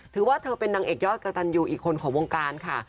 เธอว่าเธอเป็นนางเอกยอดกระตันยูอีกคนของวงการค่ะ